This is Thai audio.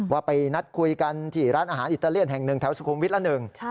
ว่าไปนัดคุยกันที่ร้านอาหารอิตาเลียนแห่งหนึ่งแถวสุขุมวิทย์ละหนึ่ง